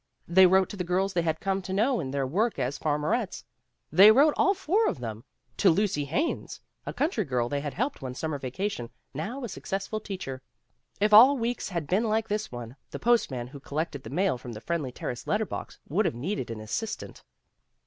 They wrote to the girls they had come to know in their work as farmerettes. They wrote all four of them to Lucy Haines, a country girl they had helped one summer vacation, now a successful teacher. If all weeks had been like this one, the postman who collected the mail from the Friendly Terrace letter box would have needed an assistant.